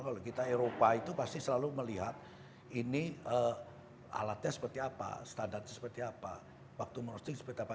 kalau kita eropa itu pasti selalu melihat ini alatnya seperti apa standarnya seperti apa waktu merosting seperti apa